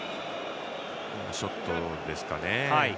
ショットですかね。